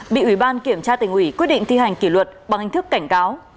bị ủy ban kiểm tra tỉnh ủy quyết định thi hành kỷ luật bằng hình thức cảnh cáo